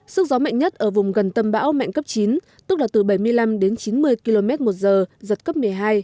sức gió mạnh nhất ở vùng gần tâm bão mạnh cấp chín tức là từ bảy mươi năm đến chín mươi km một giờ giật cấp một mươi hai